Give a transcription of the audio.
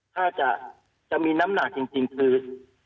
ถ้าจะมีน้ำหนักจริงคือ